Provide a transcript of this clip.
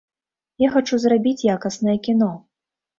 Я хачу зрабіць якаснае кіно.